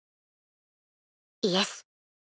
イエス。